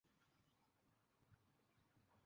রাস্তায় যারাই আমার পথে পড়েছে তাদেরই খেয়েছি।